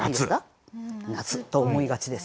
夏！夏と思いがちです。